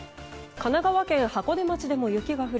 神奈川県箱根町でも雪が降り